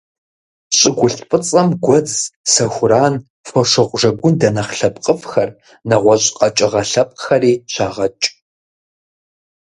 ЩӀыгулъ фӀыцӀэм гуэдз, сэхуран, фошыгъу жэгундэ нэхъ лъэпкъыфӀхэр, нэгъуэщӀ къэкӀыгъэ лъэпкъхэри щагъэкӀ.